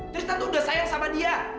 tristan itu udah sayang sama dia